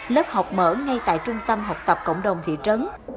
lớp học mở ngay tại trung tâm học tập cộng đồng thị trấn